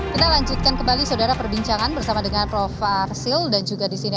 kita lanjutkan kembali saudara perbincangan bersama dengan prof sil dan juga di sini